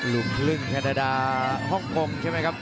ลูกครึ่งแคนาดาฮ่องกงใช่ไหมครับ